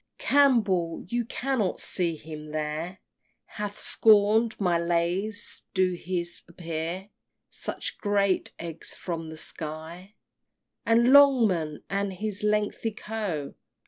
XXVI. Campbell (you cannot see him here) Hath scorn'd my lays: do his appear Such great eggs from the sky? And Longman, and his lengthy Co.